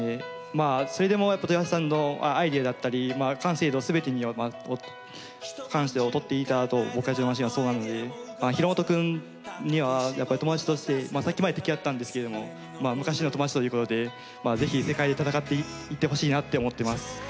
まあそれでも豊橋さんのアイデアだったり完成度全てに関して劣っていたと僕たちのマシンはそうなので廣本君には友達としてさっきまで敵だったんですけれども昔の友達ということで是非世界で戦っていってほしいなって思ってます。